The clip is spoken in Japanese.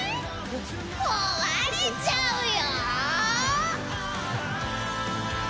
壊れちゃうよ？